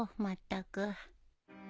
まったく。